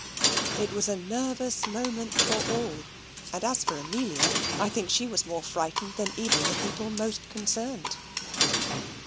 It was a nervous moment for all; and as for Amelia, I think she was more frightened than even the people most concerned.